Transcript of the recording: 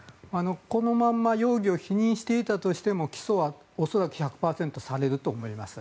このまま容疑を否認していたとしても起訴は恐らく１００％されると思います。